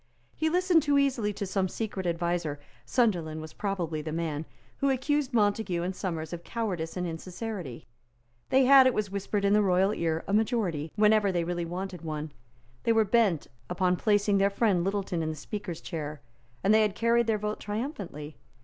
He listened too easily to some secret adviser, Sunderland was probably the man, who accused Montague and Somers of cowardice and insincerity. They had, it was whispered in the royal ear, a majority, whenever they really wanted one. They were bent upon placing their friend Littleton in the Speaker's chair; and they had carried their point triumphantly.